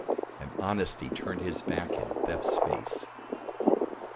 And Honesty turned his back in Theft's face.